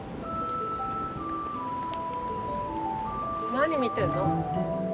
何見てんの？